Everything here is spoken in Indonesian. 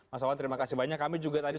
mas wawan terima kasih banyak kami juga tadi